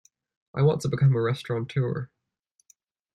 I want to become a Restaurateur.